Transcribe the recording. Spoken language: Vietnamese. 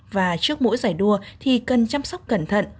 và trước mỗi giải đua thì cần chăm sóc cẩn thận